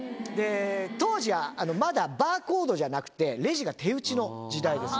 当時はまだバーコードじゃなくて、レジが手打ちの時代です。